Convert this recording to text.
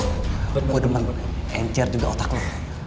aku demam entiar juga otak lo